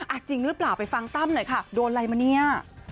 จริงหรือเปล่าไปฟังตั้มหน่อยค่ะโดนอะไรมาเนี่ย